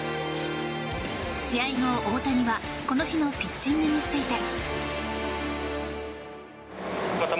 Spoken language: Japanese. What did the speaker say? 試合後、大谷はこの日のピッチングについて。